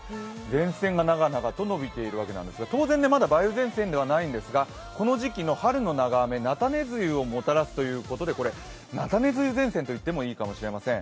前線が長々とのびているんですが、当然、まだ梅雨前線ではないんですが、この時期の春の長雨、菜種梅雨をもたらすということで、菜種梅雨前線といってもいいかもしれません。